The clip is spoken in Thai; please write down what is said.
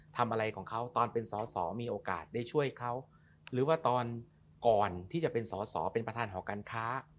ทำอะไรของเขาตอนเป็นสอสอมีโอกาสได้ช่วยเขาหรือว่าตอนก่อนที่จะเป็นสอสอเป็นประธานหอการค้า